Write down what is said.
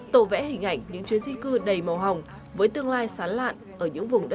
tổ vẽ hình ảnh những chuyến di cư đầy màu hồng với tương lai sán lạn ở những vùng đất